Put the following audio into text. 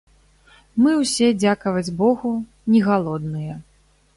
Мы ўсе, дзякаваць богу, не галодныя.